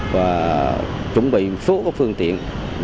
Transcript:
và chuẩn bị số phương tiện